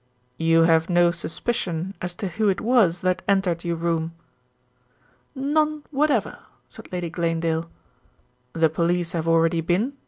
"You have no suspicion as to who it was that entered your room?" "None whatever," said Lady Glanedale. "The police have already been?"